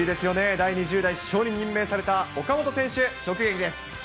第２０代主将に任命された岡本選手、直撃です。